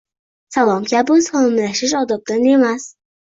«Salom» kabi salomlashish odobdan emas;